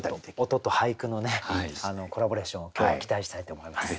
音と俳句のねコラボレーションを今日は期待したいと思います。